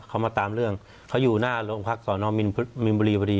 เขามาตามเรื่องเขาอยู่หน้าโรงพักสอนอมินมินบุรีพอดี